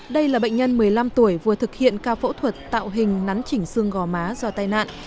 đây là bệnh nhân một mươi năm tuổi vừa thực hiện ca phẫu thuật tạo hình nắn chỉnh xương gò má do tai nạn